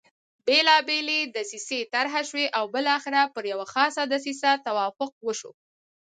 بېلابېلې دسیسې طرح شوې او بالاخره پر یوه خاصه دسیسه توافق وشو.